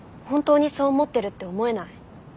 本当にそう思ってるって思えない。